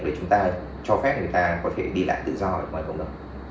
để chúng ta cho phép người ta đi lại tự do